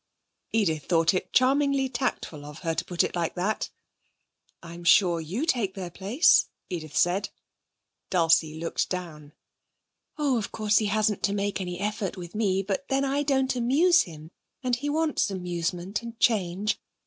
Edith thought it charmingly tactful of her to put it like that. 'I'm sure you take their place,' Edith said. Dulcie looked down. 'Oh, of course, he hasn't to make any effort with me. But then I don't amuse him, and he wants amusement, and change.